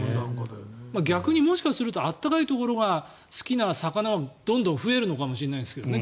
逆にもしかしたら暖かいところが好きな魚はどんどん増えるのかもしれないですけどね。